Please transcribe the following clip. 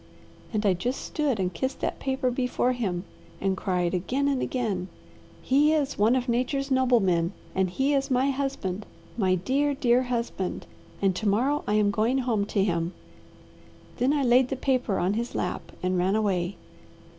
And I just stood and kissed that paper before him and cried, again and again, 'He is one of nature's noblemen, and he is my husband, my dear, dear husband and to morrow I am going home to him.' Then I laid the paper on his lap and ran away.